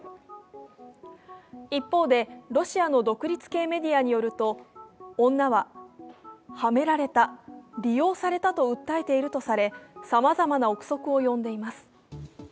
一方でロシアの独立系メディアによると女は、はめられた、利用されたと訴えているとされさまざまな臆測を呼んでいます。